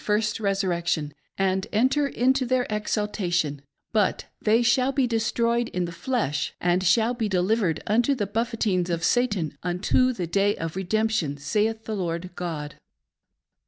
1 37 first resurrection, and enter into their exaltation, but they shall be destroyed in the flesh, and shall be delivered unto the buffetings of Satan, unto the day of redemption, saith the Lord God.